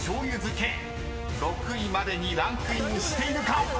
［６位までにランクインしているか⁉］